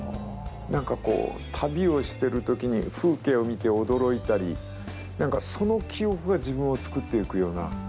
何かこう旅をしてる時に風景を見て驚いたり何かその記憶が自分をつくっていくような。